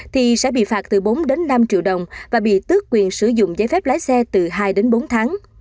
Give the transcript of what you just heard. thì sẽ bị phạt từ bốn đến năm triệu đồng và bị tước quyền sử dụng giấy phép lái xe từ hai đến bốn tháng